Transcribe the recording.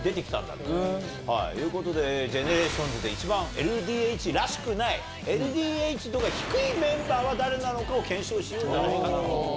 ということで、ＧＥＮＥＲＡＴＩＯＮＳで一番ＬＤＨらしくない、ＬＤＨ度が低いメンバーは誰なのかを検証しようじゃないかと。